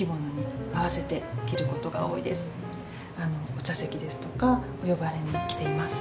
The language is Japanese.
お茶席ですとかお呼ばれに着ています。